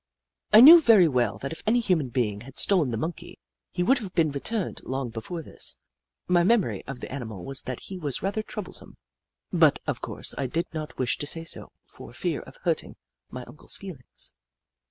I knew very well that if any human being had stolen the Monkey, he would have been re turned long before this. My memory of the animal was that he was rather troublesome, but of course I did not wish to say so, for fear of hurting my Uncle's feelings.